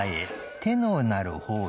手の鳴る方へ。